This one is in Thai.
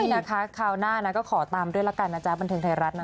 นี่นะคะคราวหน้านะก็ขอตามด้วยละกันนะจ๊ะบันเทิงไทยรัฐนะ